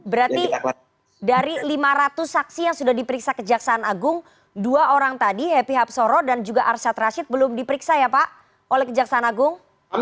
berarti dari lima ratus saksi yang sudah diperiksa kejaksaan agung dua orang tadi happy hapsoro dan juga arsyad rashid belum diperiksa ya pak oleh kejaksaan agung